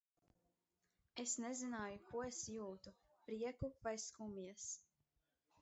Es nezināju, ko es jūtu : prieku vai skumjas.